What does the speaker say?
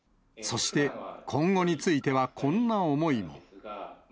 そして、今後についてはこんな思いも。